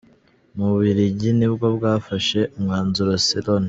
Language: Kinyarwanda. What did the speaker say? Ububiligi nibwo bwafashe umwanzuro si Loni.